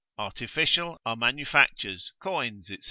artificial, are manufactures, coins, &c.